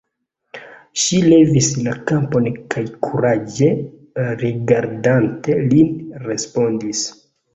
Ŝi levis la kapon kaj kuraĝe rigardante lin, respondis: